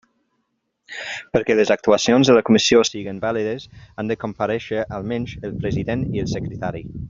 Perquè les actuacions de la comissió siguen vàlides, han de comparèixer, almenys, el president i el secretari.